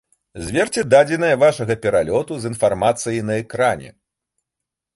Зверце дадзеныя вашага пералёту з інфармацыяй на экране.